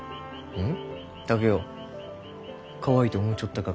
うん？